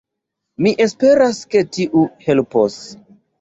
Mi esperas ke tiu helpos.